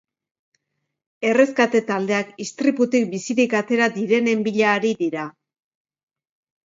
Erreskate taldeak istriputik bizirik atera direnen bila ari dira.